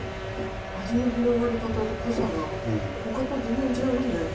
味の広がり方と濃さが、ほかと全然違いますね。